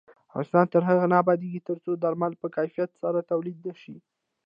افغانستان تر هغو نه ابادیږي، ترڅو درمل په کیفیت سره تولید نشي.